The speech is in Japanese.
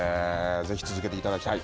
ぜひ続けていただきたい。